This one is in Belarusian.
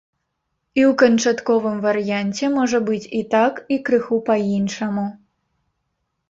І ў канчатковым варыянце можа быць і так, і крыху па-іншаму.